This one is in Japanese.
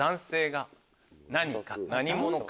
何者か？